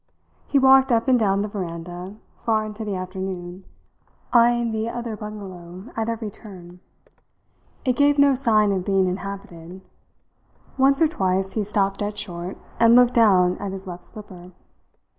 He walked up and down the veranda far into the afternoon, eyeing the other bungalow at every turn. It gave no sign of being inhabited. Once or twice he stopped dead short and looked down at his left slipper.